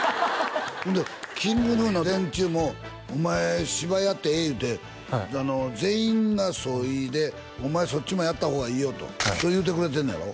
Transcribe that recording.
ほんでＫｉｎｇＧｎｕの連中もお前芝居やってええいうて全員が総意で「お前そっちもやった方がいいよ」とそう言うてくれてんねやろ？